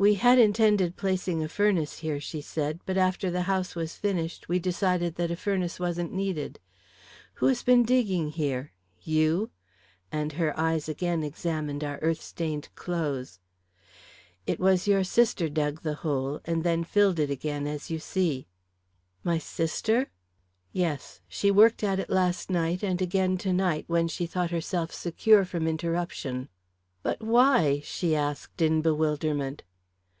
"We had intended placing a furnace here," she said, "but after the house was finished, we decided that a furnace wasn't needed. Who has been digging here? You?" and her eyes again examined our earth stained clothes. "It was your sister dug the hole, and then filled it again, as you see." "My sister?" "Yes she worked at it last night, and again to night, when she thought herself secure from interruption." "But why?" she asked, in bewilderment.